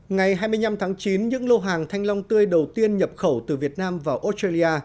ngày hai mươi năm tháng chín những lô hàng thanh long tươi đầu tiên nhập khẩu từ việt nam vào australia